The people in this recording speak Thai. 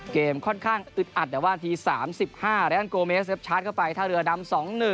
เกมค่อนข้างอึดอัดแต่ว่าที๓๕และอันโกเมสชาร์จเข้าไปท่าเรือนำ๒๑